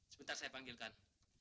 sebentar saya panggilkan